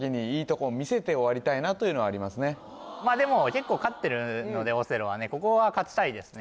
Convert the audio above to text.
結構勝ってるのでオセロはここは勝ちたいですね